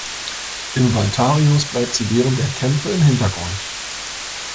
Im Waltharius bleibt sie während der Kämpfe im Hintergrund.